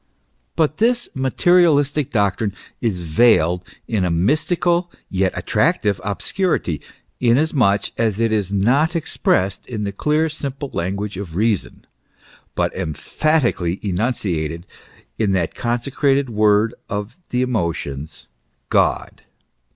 But this materialistic doctrine is veiled in a mystical yet attractive obscurity, inasmuch as it is not expressed in the clear, simple language of reason, but emphatically enunciated in that consecrated word of the emotions God.